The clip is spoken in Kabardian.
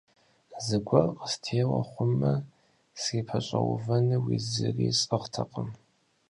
Зыгуэр къыстеуэ хъумэ, срипэщӀэувэнуи зыри сӀыгътэкъым.